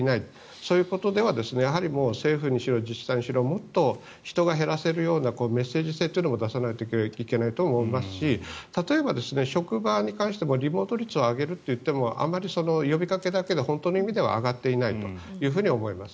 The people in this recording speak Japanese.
そういうことでは政府にしろ自治体にしろもっと人が減らせるようなメッセージ性というのを出さないといけないと思いますし例えば、職場に関してもリモート率を上げるといってもあまり呼びかけだけで本当の意味では上がっていないと思います。